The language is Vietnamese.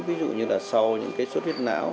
ví dụ như là sau những suốt huyết não